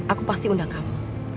aku pasti undang kamu